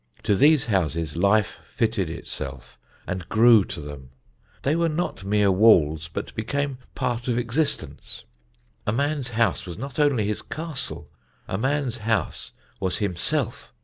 To these houses life fitted itself and grew to them; they were not mere walls, but became part of existence. A man's house was not only his castle, a man's house was himself.